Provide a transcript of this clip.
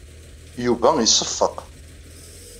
Yuba iseffeq.